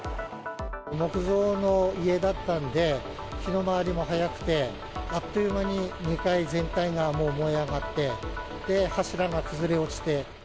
木造の家だったんで、火の回りも早くて、あっという間に２階全体がもう燃え上がって、柱が崩れ落ちて。